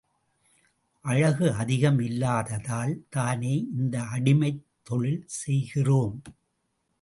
அழகு அதிகம் இல்லாததால் தானே இந்த அடிமைத் தொழில் செய்கிறோம்.